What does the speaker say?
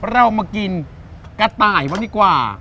เรามากินกระต่ายบ้างดีกว่า